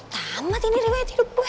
tamat ini rewayat hidup gue